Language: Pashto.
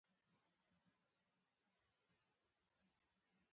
ملګری د خدای ورکړه ډالۍ ده